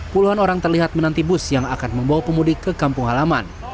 puluhan orang terlihat menanti bus yang akan membawa pemudik ke kampung halaman